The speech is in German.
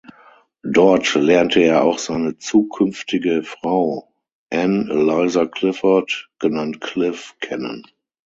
Dort lernte er auch seine zukünftige Frau, Anne Eliza Clifford, genannt Cliff, kennen.